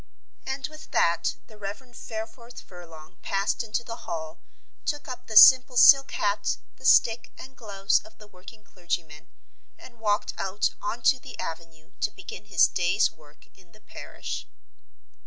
And with that the Rev. Fareforth Furlong passed into the hall took up the simple silk hat, the stick and gloves of the working clergyman and walked out on to the avenue to begin his day's work in the parish.